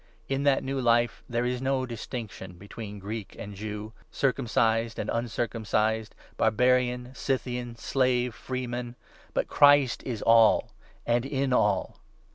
In u that new life there is no distinction between Greek and Jew, circumcised and uncircumcised, barbarian, Scythian, slave, freeman ; but Christ is all !— and in all